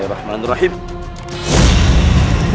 ini merupakan ter market ilmu muslim